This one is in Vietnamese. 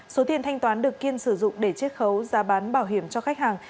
số tiền thanh toán được kiên sử dụng để chết khấu giá bán bảo hiểm cho khách hàng